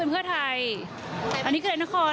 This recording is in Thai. ยังมี๑จำนวนที่ก็จะได้นี่หรอ